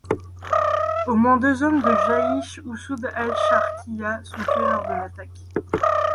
Au moins deux hommes de Jaych Ossoud al-Charkiya sont tués lors de l'attaque.